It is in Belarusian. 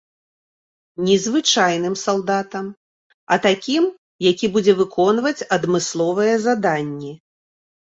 Не звычайным салдатам, а такім, які будзе выконваць адмысловыя заданні.